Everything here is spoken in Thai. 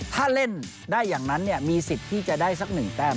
ถ้าเล่นได้อย่างนั้นมีสิทธิ์ที่จะได้สัก๑แต้ม